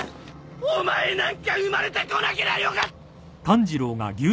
お前なんか生まれてこなけりゃよか。